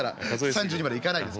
３２までいかないです